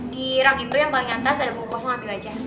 di rang itu yang paling atas ada buku kosong ambil aja